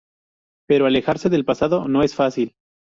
Pero alejarse del pasado no es fácil.